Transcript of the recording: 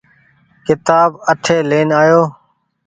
ڪيتآب اٺي لين آئو۔